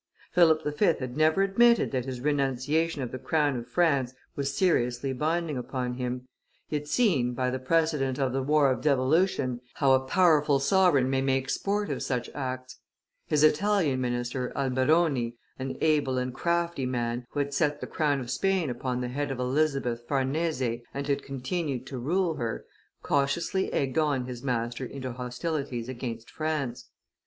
Philip V. had never admitted that his renunciation of the crown of France was seriously binding upon him; he had seen, by the precedent of the war of devolution, how a powerful sovereign may make sport of such acts; his Italian minister, Alberoni, an able and crafty man, who had set the crown of Spain upon the head of Elizabeth Farnese, and had continued to rule her, cautiously egged on his master into hostilities against France.